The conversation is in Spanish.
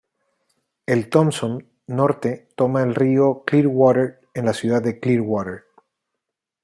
El Thompson Norte toma el río Clearwater en la ciudad de Clearwater.